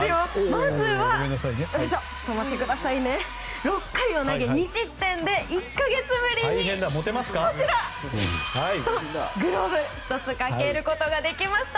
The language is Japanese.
まずは６回を投げ２失点で１か月ぶりにグローブ１つかけることができました。